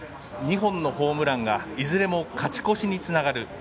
２本のホームランがいずれも勝ち越しにつながる。